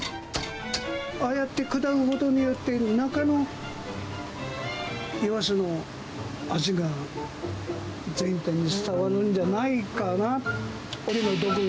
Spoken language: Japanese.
ああやって砕くことによって、中のイワシの味が全体に伝わるんじゃないかな。